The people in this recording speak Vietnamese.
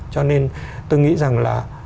cho nên tôi nghĩ rằng là